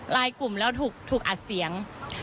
ในคลิปเสียง